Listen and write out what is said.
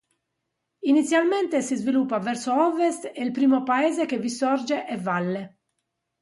Inizialmente si sviluppa verso ovest e il primo paese che vi sorge è Valle.